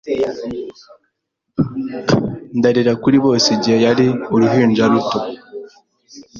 Ndarira kuri bose Igihe yari uruhinja ruto